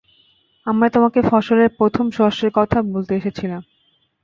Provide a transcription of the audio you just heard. আমরা তোমাকে ফসলের প্রথম শস্যের কথা বলতে এসেছিলাম।